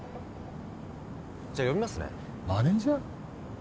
じゃ呼びますねマネージャー？